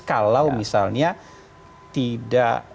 kalau misalnya tidak